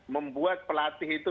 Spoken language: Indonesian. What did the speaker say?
membuat pelatih itu